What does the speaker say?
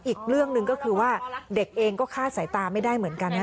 อีกเรื่องหนึ่งก็คือว่าเด็กเองก็คาดสายตาไม่ได้เหมือนกันนะ